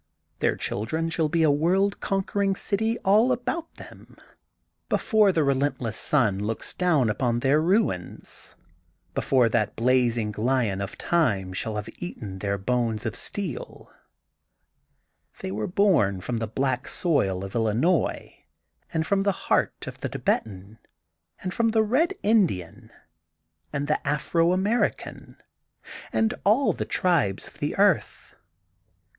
Their children shall be a world conquering city all about them, before the relentless sun looks down upon their ruins, ' before that blazing lion of time shall have eaten their bones of steeL They were bom from the black soil of Illi nois and from the heart of the Thibetan and from the Red Indian and the Afro American and all the tribes of the earth.